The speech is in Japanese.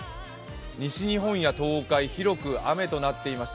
西日本、東海、広く雨となっていまして